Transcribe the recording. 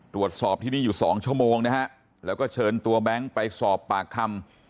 ตรวจสอบที่นี่อยู่๒ชั่วโมงนะฮะแล้วก็เชิญตัวแบงค์ไปสอบปากคำ